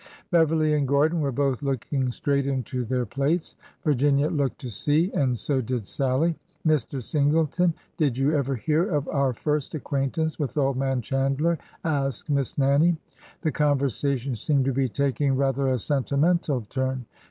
Beverly and Gordon were both looking straight into their plates. Virginia looked to see, and so did Sallie. " Mr. Singleton, did you ever hear of our first acquain tance with old man Chandler? " asked Miss Nannie. The conversation seemed to be taking rather a sentimental turn.